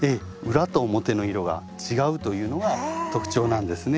裏と表の色が違うというのが特徴なんですね。